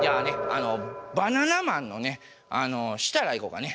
あのバナナマンのね設楽いこうかね。